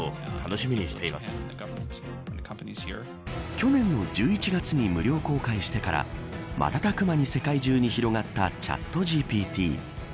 去年の１１月に無料公開してから瞬く間に世界中に広がったチャットＧＰＴ。